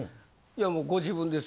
いやもうご自分で。